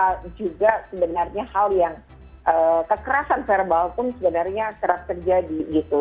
karena juga sebenarnya hal yang kekerasan verbal pun sebenarnya kerap terjadi gitu